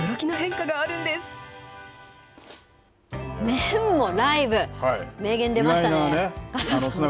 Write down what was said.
麺をライブ、名言出ましたね。